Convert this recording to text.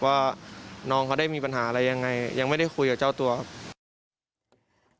ว่าน้องเขาได้มีปัญหาอะไรยังไงยังไม่ได้คุยกับเจ้าตัวครับ